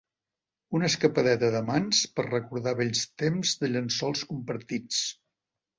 Una escapadeta d'amants per recordar vells temps de llençols compartits.